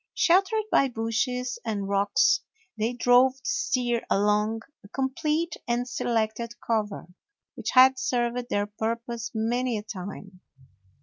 Sheltered by bushes and rocks, they drove the steer along a complete and selected cover, which had served their purpose many a time.